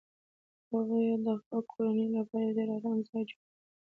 هغه د خپلې کورنۍ لپاره یو ډیر ارام ځای جوړ کړ